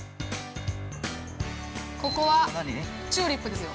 ◆ここは、チューリップですよ。